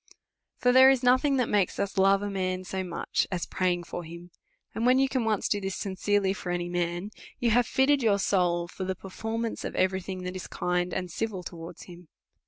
For there is nothing that makes us love a man so much, as praying for him ; and, when you can once do this sincerely for any man, you have fitted your soul for the perform ance of every thing that is kind and civil towards him.